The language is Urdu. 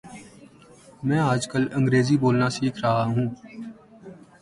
میں آج کل انگریزی بولنا سیکھ رہا ہوں